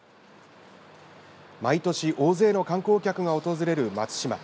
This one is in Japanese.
毎年大勢の観光客が訪れる松島。